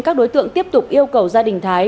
các đối tượng tiếp tục yêu cầu gia đình thái